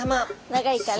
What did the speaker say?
長いから。